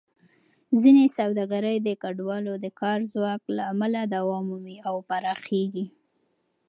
ځینې سوداګرۍ د کډوالو د کار ځواک له امله دوام مومي او پراخېږي.